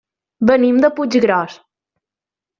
Venim de Puiggròs.